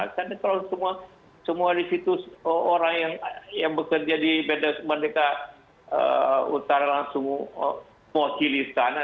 karena kalau semua di situ orang yang bekerja di pendekat utara langsung mau cili istana